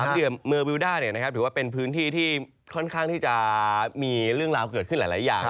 สามเหลี่ยมเมอร์วิวด้าเนี่ยนะครับถือว่าเป็นพื้นที่ที่ค่อนข้างที่จะมีเรื่องราวเกิดขึ้นหลายอย่าง